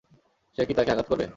সে কি তাকে আঘাত করবে?